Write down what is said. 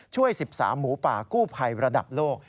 ช่วย๑๓หมูป่ากู้ภัยระดับโลก